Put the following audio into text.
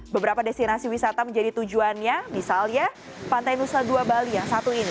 beberapa destinasi wisata menjadi tujuannya misalnya pantai nusa dua bali yang satu ini